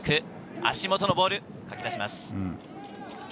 足元のボール、かき出します。